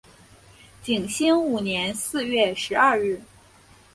景兴五年四月十二日。